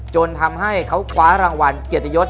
จนทำให้เขาคว้ารางวัลเกียรติยศ